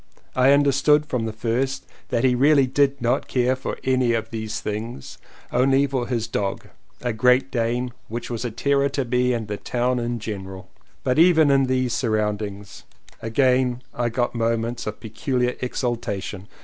I understood from the first that he really did not care for any of these things, only for his dog — a Great Dane, which was a terror to me and to the town in general. But even in these surroundings I again got moments of peculiar exultation.